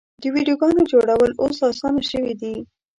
د ویډیوګانو جوړول اوس اسانه شوي دي.